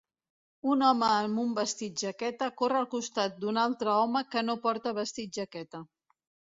Un home amb un vestit jaqueta corre al costat d'un altre home que no porta vestit jaqueta.